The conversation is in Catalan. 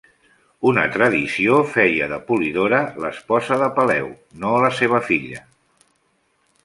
Una tradició feia de Polidora l'esposa de Peleu, no la seva filla.